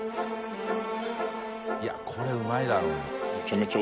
いこれうまいだろうね。